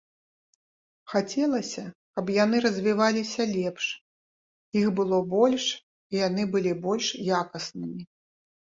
Хацелася, каб яны развіваліся лепш, іх было больш і яны былі больш якаснымі.